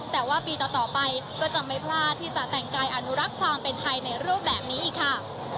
แต่ว่าปีต่อไปก็จะไม่พลาดที่จะแต่งกายอนุรักษ์ความเป็นไทยในรูปแบบนี้อีกค่ะ